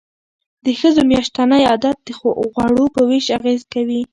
د ښځو میاشتنی عادت د غوړو په ویش اغیز کوي.